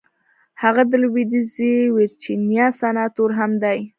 هغه د لويديځې ويرجينيا سناتور هم دی.